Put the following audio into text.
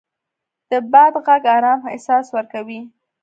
د باد غږ ارام احساس ورکوي